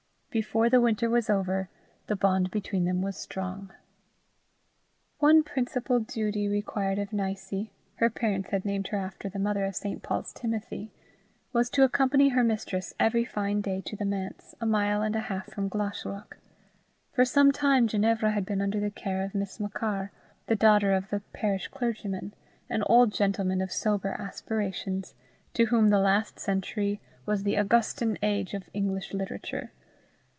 Before the winter was over, the bond between them was strong. One principal duty required of Nicie her parents had named her after the mother of St. Paul's Timothy was to accompany her mistress every fine day to the manse, a mile and a half from Glashruach. For some time Ginevra had been under the care of Miss Machar, the daughter of the parish clergyman, an old gentleman of sober aspirations, to whom the last century was the Augustan age of English literature.